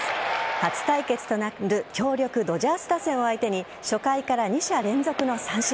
初対決となる強力・ドジャース打線を相手に初回から２者連続の三振。